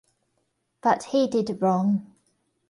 But he did wrong.